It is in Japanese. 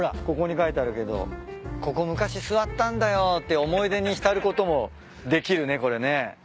ここに書いてあるけどここ昔座ったんだよって思い出に浸ることもできるねこれね。